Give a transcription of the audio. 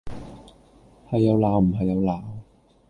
係又鬧唔係又鬧